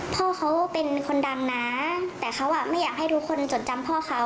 พ่อเขาเป็นคนดังนะแต่เขาอ่ะไม่อยากให้ทุกคนจดจำพ่อเขา